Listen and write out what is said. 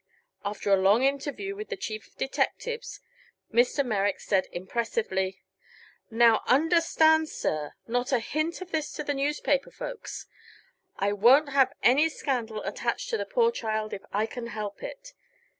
After a long interview with the Chief of Detectives, Mr. Merrick said impressively: "Now, understand, sir; not a hint of this to the newspaper folks. I won't have any scandal attached to the poor child if I can help it.